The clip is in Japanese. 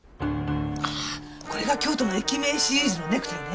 ああこれが京都の駅名シリーズのネクタイね。